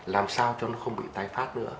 làm sao cho nó không bị tái phát nữa